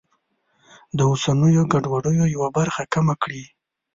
د اوسنیو ګډوډیو یوه برخه کمه کړي.